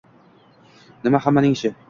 Nima hammaning ishi?